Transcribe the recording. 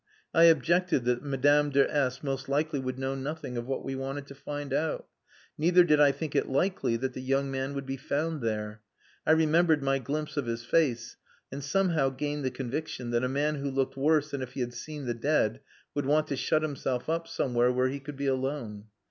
I objected that Madame de S most likely would know nothing of what we wanted to find out. Neither did I think it likely that the young man would be found there. I remembered my glimpse of his face, and somehow gained the conviction that a man who looked worse than if he had seen the dead would want to shut himself up somewhere where he could be alone.